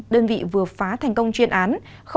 đơn vị vừa phá thành công chuyên án